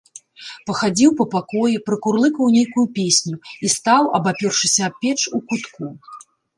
Пахадзіў па пакоі, пракурлыкаў нейкую песню і стаў, абапёршыся аб печ, у кутку.